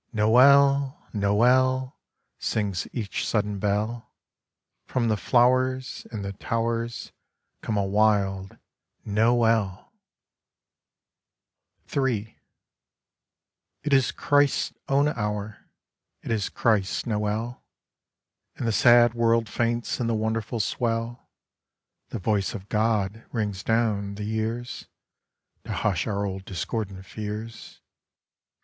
"Noell Noel I" Sings each sudden bell. From the flowers In the towers Come a wild " Noel I " NOEL/ III It is Christ's own hour, It is Christ's Noel, And the sad world faints in the wonderful swell. The voice of God rings down the years To hush our old discordant fears.